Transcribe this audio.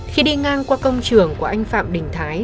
khi đi ngang qua công trường của anh phạm đình thái